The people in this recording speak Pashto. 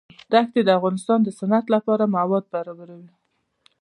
دښتې د افغانستان د صنعت لپاره مواد برابروي.